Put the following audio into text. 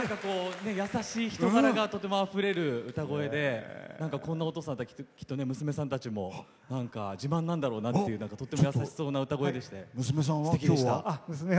優しい人柄がとてもあふれる歌声でこんなお父さんできっと娘さんたちも自慢なんだろうなっていうとても優しそうな歌声でしたね。